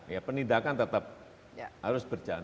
ya penindakan tetap harus berjalan